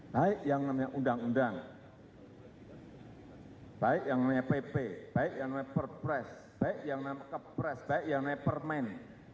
baik yang namanya undang undang baik yang namanya pp baik yang namanya perpres baik yang namanya kepres baik yang namanya permen